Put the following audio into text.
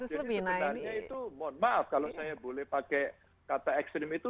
jadi sebenarnya itu mohon maaf kalau saya boleh pakai kata ekstrim itu